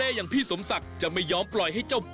วันนี้พาลงใต้สุดไปดูวิธีของชาวปักใต้อาชีพชาวเล่น